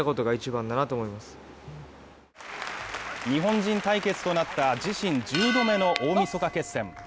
日本人対決となった自身１０度目の大みそか決戦。